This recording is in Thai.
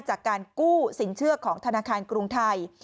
จากการกู้สินเชื่อของธนาคารกรุงไทย